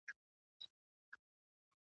دغه زما غيور ولس دی .